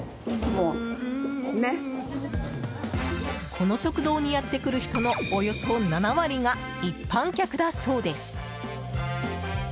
この食堂にやってくる人のおよそ７割が一般客だそうです。